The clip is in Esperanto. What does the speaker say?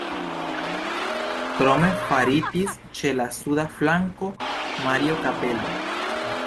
Krome faritis ĉe la suda flanko Mario-kapelo.